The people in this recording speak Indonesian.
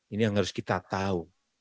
ini yang harus kita tahu